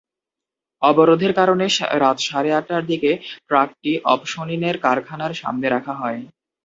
অবরোধের কারণে রাত সাড়ে আটটার দিকে ট্রাকটি অপসোনিনের কারখানার সামনে রাখা হয়।